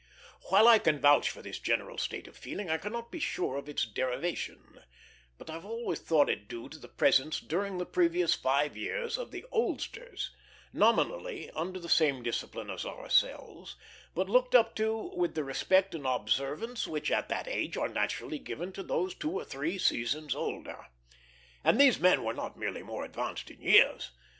While I can vouch for this general state of feeling, I cannot be sure of its derivation; but I have always thought it due to the presence during the previous five years of the "oldsters," nominally under the same discipline as ourselves, but looked up to with the respect and observance which at that age are naturally given to those two or three seasons older. And these men were not merely more advanced in years.